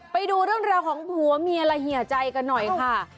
ไปดูเรื่องราวของผัวเมียและเฮียใจกันหน่อยค่ะ